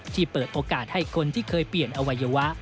เปิดโอกาสให้คนที่เคยเปลี่ยนอวัยวะ